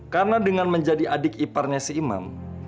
karena dengan menjadi adik iparnya si imam